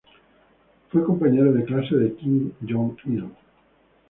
Fue compañero de clase de Kim Jong-il.